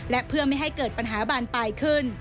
และเพื่อไม่ให้เกิดปัญหาบานปลายขึ้น